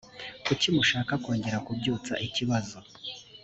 kuki mushaka kongera kubyutsa ikibazo